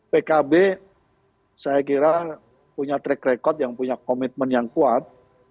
pkb saya kira punya track record yang punya komitmen yang kuat